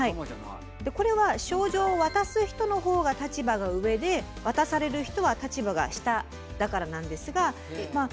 これは賞状を渡す人のほうが立場が上で渡される人は立場が下だからなんですがまあ